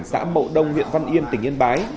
xã mậu đông huyện văn yên tỉnh yên bái